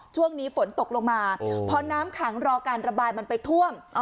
ช่วงนี้ฝนตกลงมาพอน้ำขังรอการระบายมันไปท่วม